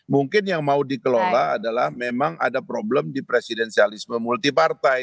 mungkin yang mau dikelola adalah memang ada problem di presidenialisme multipartai